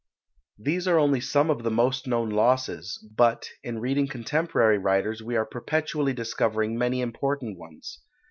These are only some of the most known losses; but in reading contemporary writers we are perpetually discovering many important ones.